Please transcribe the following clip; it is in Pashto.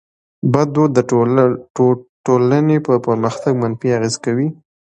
بد دود د ټټولني پر پرمختګ منفي اغېز کوي.